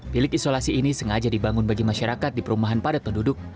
bilik isolasi ini sengaja dibangun bagi masyarakat di perumahan padat penduduk